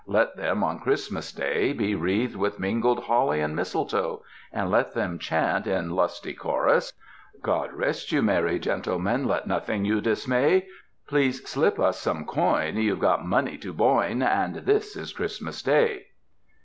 Let them on Christmas day be wreathed with mingled holly and mistletoe, and let them chant, in lusty chorus: God rest you, merry gentlemen! Let nothing you dismay. Please slip us some coin, youVe got money to boin, And this is Christmas day.